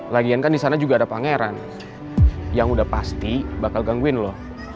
lagian kan di sana juga ada pangeran yang udah pasti bakal gangguin loh